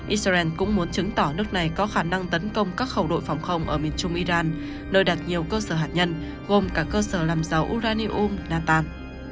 israel cũng muốn chứng tỏ nước này có khả năng tấn công các khẩu đội phòng không ở miền trung iran nơi đặt nhiều cơ sở hạt nhân gồm cả cơ sở làm dầu uranium nathan